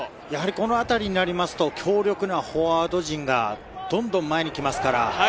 このあたりになりますと強力なフォワード陣がどんどん前に来ますから。